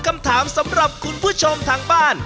คำถามสำหรับคุณผู้ชมทางบ้าน